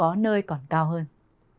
hãy bấm đăng ký kênh để ủng hộ kênh mình nhé